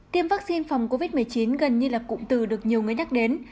tiêm vaccine phòng covid một mươi chín gần như là cụm từ được nhiều người nhắc đến